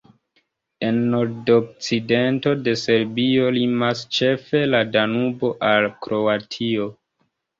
En nordokcidento de Serbio limas ĉefe la Danubo al Kroatio.